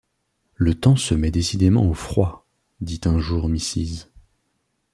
Le temps se met décidément au froid, dit un jour Mrs.